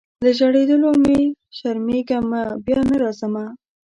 له ژړېدلو مي شرمېږمه بیا نه راځمه